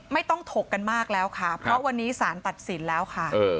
ไม่ต้องถกกันมากแล้วค่ะเพราะวันนี้สารตัดสินแล้วค่ะ